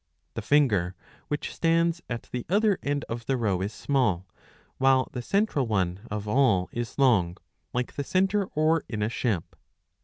The finger which stands at the other end of the row is small, while the central one. of all is long, like the centre oar in a ship.